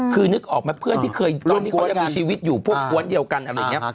คือนึกออกไหมเพื่อนที่เคยตอนที่เขายังมีชีวิตอยู่พวกกวนเดียวกันอะไรอย่างนี้